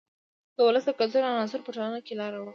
د ولس د کلتور عناصرو په ټولنه کې لار وکړه.